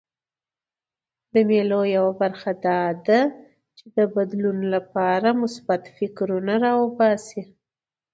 د مېلو یوه موخه دا ده، چي د بدلون له پاره مثبت فکرونه راباسي.